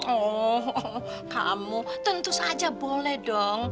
oh kamu tentu saja boleh dong